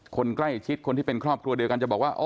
คนใกล้ชิดคนที่เป็นครอบครัวเดียวกันจะบอกว่า